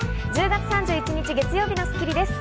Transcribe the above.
１０月３１日、月曜日の『スッキリ』です。